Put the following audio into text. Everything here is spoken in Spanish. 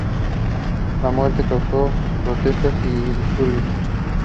La muerte causó protestas y disturbios.